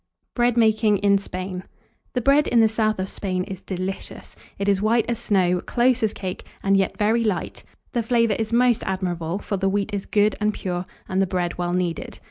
BREAD MAKING IN SPAIN. The bread in the south of Spain is delicious: it is white as snow, close as cake, and yet very light; the flavour is most admirable, for the wheat is good and pure, and the bread well kneaded.